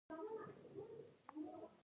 د نورو حقوق وپیژنئ